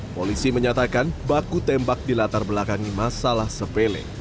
polisi menyatakan baku tembak di latar belakang ini masalah sepele